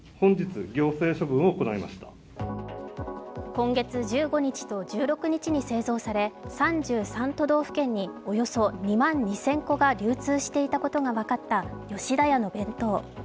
今月１５日と１６日に製造され３３都道府県におよそ２万２０００個が流通していたことが分かった吉田屋の弁当。